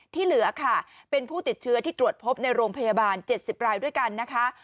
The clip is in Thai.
ที่เหลือค่ะเป็นผู้ติดเชื้อที่ตรวจพบในโรงพยาบาล๗๐รายด้วยกันนะคะ